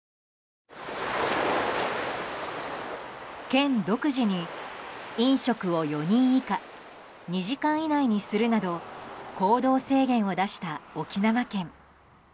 県独自に、飲食を４人以下２時間以内にするなど行動制限を出した沖縄県。